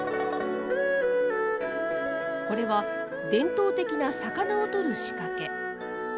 これは伝統的な魚をとる仕掛け。